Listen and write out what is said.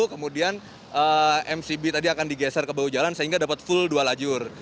kemudian mcb tadi akan digeser ke bawah jalan sehingga dapat full dua lajur